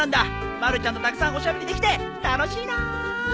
まるちゃんとたくさんおしゃべりできて楽しいな！